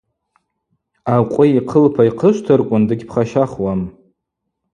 Акъви йхъылпа йхъышвтырквын дыгьпхащахуам.